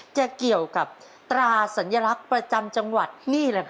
จะเกี่ยวกับตราสัญลักษณ์ประจำจังหวัดนี่แหละค่ะ